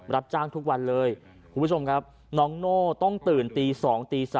รับจ้างทุกวันเลยคุณผู้ชมครับน้องโน่ต้องตื่นตี๒ตี๓